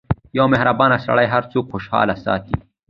• یو مهربان سړی هر څوک خوشحال ساتي.